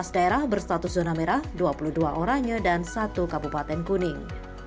lima belas daerah berstatus zona merah dua puluh dua orangnya dan satu kabupaten kuning